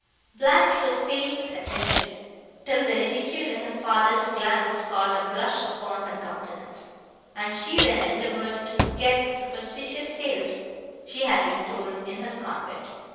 Blanche was pale with attention, till the ridicule in her father's glance called a blush upon her countenance, and she then endeavoured to forget the superstitious tales she had been told in her convent.